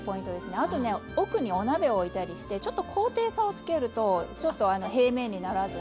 あとね奥にお鍋を置いたりしてちょっと高低差をつけると平面にならずに。